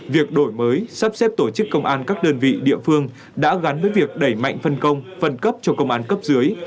việc đổi mới sắp xếp tổ chức công an các đơn vị địa phương đã gắn với việc đẩy mạnh phân công phân cấp cho công an cấp dưới